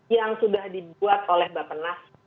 yang sudah dibuat oleh bapak nas